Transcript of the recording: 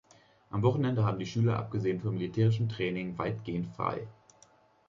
Am Wochenende haben die Schüler abgesehen von militärischem Training weitgehend frei.